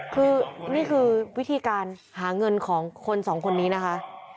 คือนี่คือวิธีการหาเงินของคนสองคนนี้นะคะ